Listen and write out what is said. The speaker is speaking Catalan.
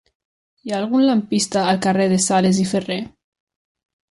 Hi ha algun lampista al carrer de Sales i Ferré?